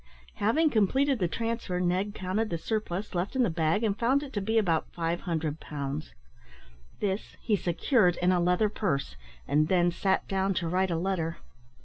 Having completed the transfer, Ned counted the surplus left in the bag, and found it to be about 500 pounds. This he secured in a leather purse, and then sat down to write a letter.